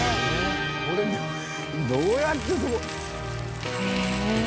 これどうやって。